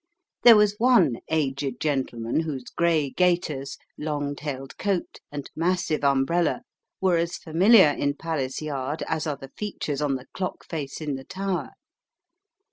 There was one aged gentleman whose grey gaiters, long tailed coat, and massive umbrella were as familiar in Palace Yard as are the features on the clock face in the tower.